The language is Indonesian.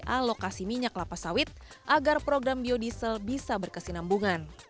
alokasi minyak kelapa sawit agar program biodiesel bisa berkesinambungan